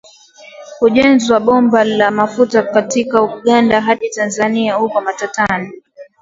Ujenzi wa bomba la mafuta kutoka Uganda hadi Tanzania upo matatani